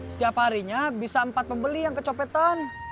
setiap harinya bisa empat pembeli yang kecopetan